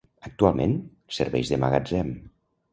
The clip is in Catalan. Actualment serveix de magatzem.